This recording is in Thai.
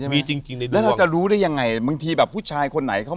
มีจริงแล้วเราจะรู้ได้ยังไงบางทีแบบผู้ชายคนไหนเขา